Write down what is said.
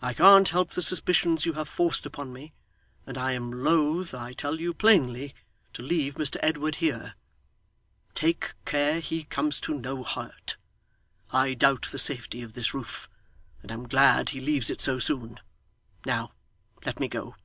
I can't help the suspicions you have forced upon me, and I am loth, I tell you plainly, to leave Mr Edward here. Take care he comes to no hurt. I doubt the safety of this roof, and am glad he leaves it so soon. Now, let me go.